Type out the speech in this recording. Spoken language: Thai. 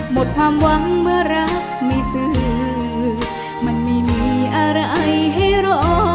หมดความหวังเมื่อรักไม่ซื้อมันไม่มีอะไรให้รอ